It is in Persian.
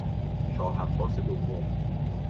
شاه عباس دوم